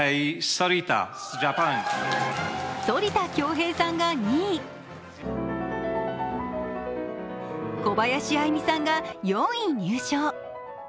反田恭平さんが２位、小林愛実さんが４位入賞。